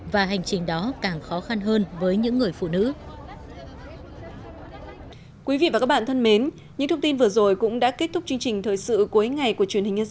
và hành trình đó càng khó khăn hơn với những người phụ nữ